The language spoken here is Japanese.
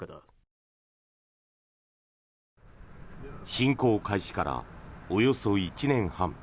侵攻開始から、およそ１年半。